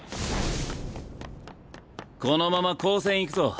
このまま高専行くぞ。